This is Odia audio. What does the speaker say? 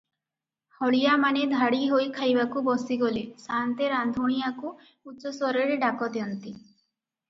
ହଳିଆମାନେ ଧାଡ଼ିହୋଇ ଖାଇବାକୁ ବସିଗଲେ ସାଆନ୍ତେ ରାନ୍ଧୁଣିଆକୁ ଉଚ୍ଚସ୍ୱରରେ ଡାକ ଦିଅନ୍ତି